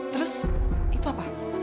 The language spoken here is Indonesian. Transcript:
terus itu apa